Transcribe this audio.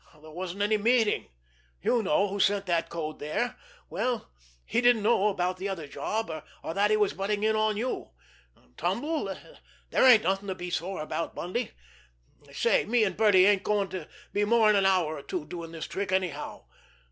There wasn't any meeting. You know who sent that code there; well, he didn't know about the other job, or that he was butting in on you. Tumble? There ain't nothing to be sore about, Bundy. Say, me and Birdie ain't going to be more'n an hour or two doing this trick, anyhow.